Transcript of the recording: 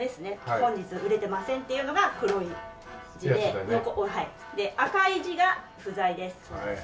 「本日売れてません」っていうのが黒い字でで赤い字が「不在です」。